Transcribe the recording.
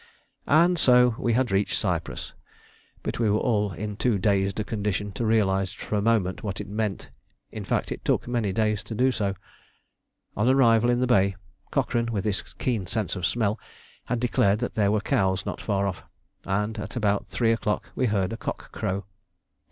And so we had reached Cyprus, but we were all in too dazed a condition to realise for the moment what it meant; in fact, it took many days to do so. On arrival in the bay, Cochrane, with his keen sense of smell, had declared that there were cows not far off, and at about 3 o'clock we heard a cock crow.